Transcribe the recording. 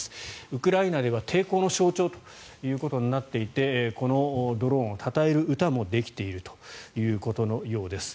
ウクライナでは抵抗の象徴ということになっていてこのドローンをたたえる歌もできているということのようです。